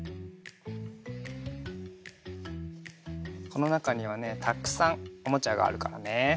このなかにはねたくさんおもちゃがあるからね。